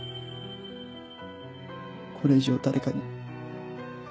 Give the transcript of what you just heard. これ以上誰かに。